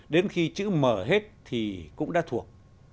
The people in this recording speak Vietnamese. đến khi chữ mở hết thì cũng đã thuộc